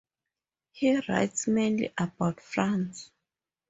He writes mainly about France.